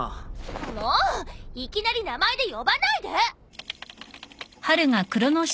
もういきなり名前で呼ばないで！